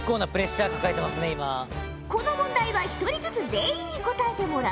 この問題は１人ずつ全員に答えてもらう。